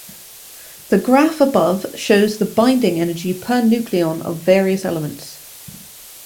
The graph above shows the binding energy per nucleon of various elements.